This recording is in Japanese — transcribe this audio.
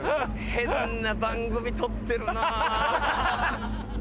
変な番組撮ってるなぁ。